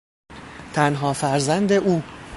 تنها فرزند او